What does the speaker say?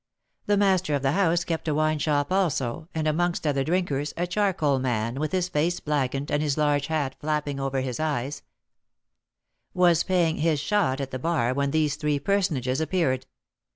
The master of the house kept a wine shop also, and amongst other drinkers, a charcoal man, with his face blackened and his large hat flapping over his eyes, was paying his "shot" at the bar when these three personages appeared.